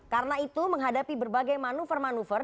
karena itu menghadapi berbagai manuver manuver